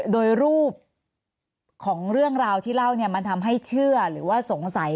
โดยรูปของเรื่องราวที่เล่าเนี่ยมันทำให้เชื่อหรือว่าสงสัย